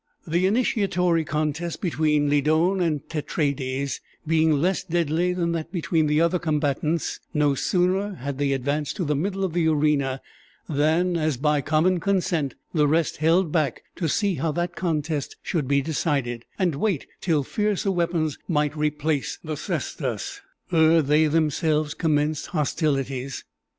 The initiatory contest between Lydon and Tetraides being less deadly than that between the other combatants, no sooner had they advanced to the middle of the arena than as by common consent the rest held back, to see how that contest should be decided, and wait till fiercer weapons might replace the cestus ere they themselves commenced hostilities.